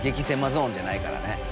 ゾーンじゃないからね。